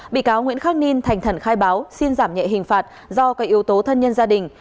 bị cáo nguyễn khắc ninh thành khẩn khai báo xin giảm nhẹ hình phạt do các yếu tố thân nhân gia đình